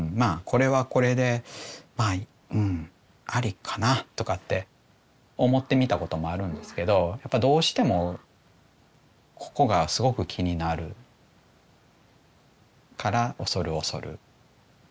「これはこれでうんありかな」とかって思ってみたこともあるんですけどやっぱどうしてもここがすごく気になるから恐る恐る。